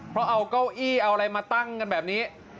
เพราะเอาเก้าอี้เอาอะไรมาตั้งกันแบบนี้